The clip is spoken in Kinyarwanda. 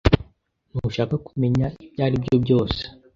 Ntushaka kumenya ibyo aribyo byose?